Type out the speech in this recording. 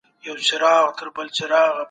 په زندانونو کي باید شرایط انساني وي.